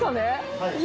はい。